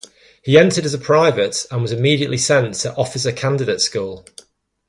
He entered as a private and was immediately sent to Officer Candidate School.